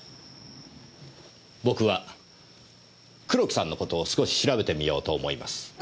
僕は黒木さんのことを少し調べてみようと思います。